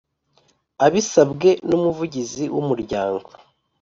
Abisabwe n Umuvugizi w umuryango